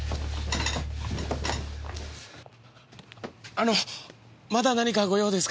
あのまだ何かご用ですか？